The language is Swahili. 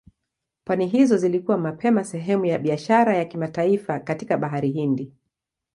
Pwani hizo zilikuwa mapema sehemu ya biashara ya kimataifa katika Bahari Hindi.